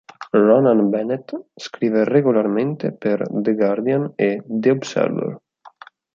Ronan Bennett scrive regolarmente per "The Guardian" e "The Observer".